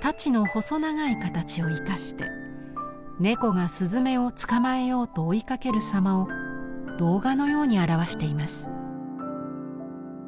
太刀の細長い形を生かして猫がスズメを捕まえようと追いかける様を動画のように表しています。